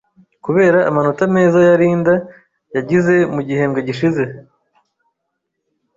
Kubera amanota meza ya Linda yagize mu gihembwe gishize.